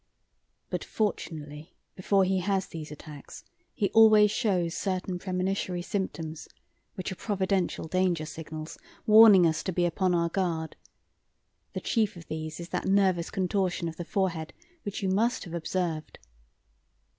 But, fortunately, before he has these attacks he always shows certain premonitory symptoms, which are providential danger signals, warning us to be upon our guard. The chief of these is that nervous contortion of the forehead which you must have observed.